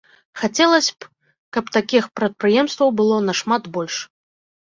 Хацелася б, каб такіх прадпрыемстваў было нашмат больш.